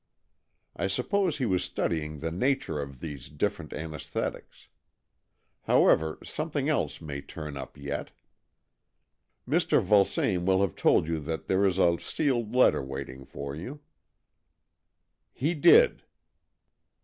I suppose he was studying the nature of these different anaesthetics. How ever, something else may turn up yet. Mr. Vulsame will have told you that there is a sealed letter waiting for you." " He did."